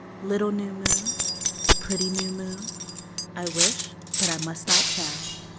Little new moon, pretty new moon, I wish but I must not tell!